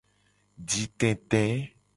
Jitete.